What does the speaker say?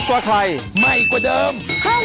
อืมอืม